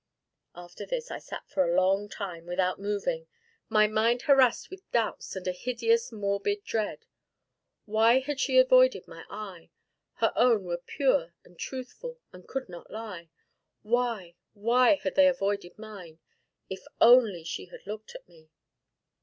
After this I sat for a long time without, moving, my mind harassed with doubts and a hideous, morbid dread. Why had she avoided my eye? Her own were pure and truthful, and could not lie! Why, why had they avoided mine? If only she had looked at me!